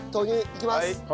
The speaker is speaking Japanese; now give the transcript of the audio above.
いきます！